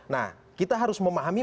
nah kita harus memahami